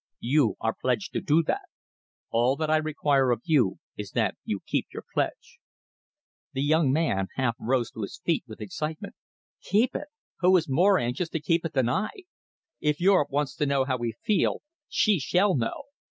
You are pledged to do that. All that I require of you is that you keep your pledge." The young man half rose to his feet with excitement. "Keep it! Who is more anxious to keep it than I? If Europe wants to know how we feel, she shall know!